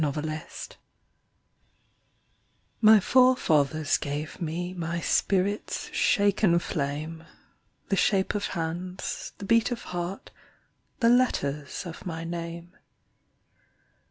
Driftwood My forefathers gave me My spirit's shaken flame, The shape of hands, the beat of heart, The letters of my name.